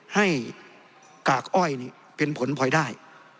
ให้กากอ้อยนี่เป็นผลพลอยได้